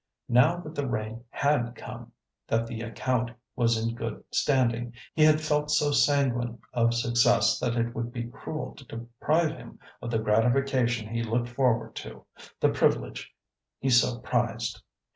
Now that the rain had come, that the account was in good standing, he had felt so sanguine of success that it would be cruel to deprive him of the gratification he looked forward to—the privilege he so prized.